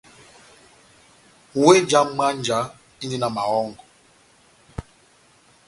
Wéh já mwánja indi na mahɔ́ngɔ.